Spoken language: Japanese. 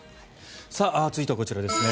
続いてはこちらです。